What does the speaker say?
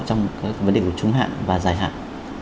trong vấn đề của trung hạn và dài hạn